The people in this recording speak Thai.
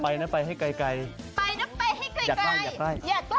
ไปน้าไปให้ใกล้อยากได้อยากได้